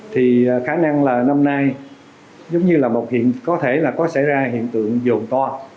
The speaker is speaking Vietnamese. thì khả năng là năm nay giống như là có thể là có xảy ra hiện tượng dồn to